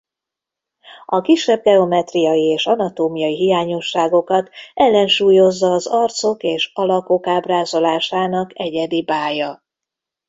A kisebb geometriai és anatómiai hiányosságokat ellensúlyozza az arcok és alakok ábrázolásának egyedi bája.